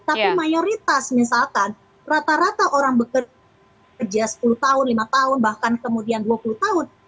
tapi mayoritas misalkan rata rata orang bekerja sepuluh tahun lima tahun bahkan kemudian dua puluh tahun